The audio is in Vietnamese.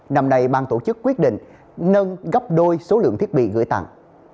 năm nay bang tổ chức quyết định nâng gấp đôi số lượng thiết bị gửi tặng